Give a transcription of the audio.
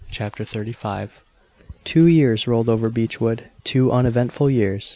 CHAPTER XXXV Two years rolled over Beechwood two uneventful years.